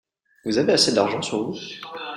Vous avez assez d'argent sur vous ?